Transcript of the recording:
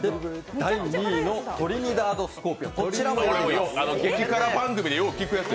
第２位のトリニダードスコープ。